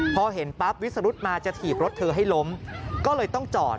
พอเห็นปั๊บวิสรุธมาจะถีบรถเธอให้ล้มก็เลยต้องจอด